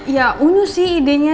ya unyu sih idenya